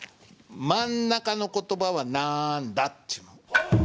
真ん中の言葉はなんだ？という。